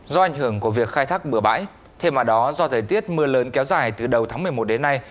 do ảnh hưởng của việc khai thác bừa bãi thêm vào đó do thời tiết mưa lớn kéo dài từ đầu tháng một mươi một đến nay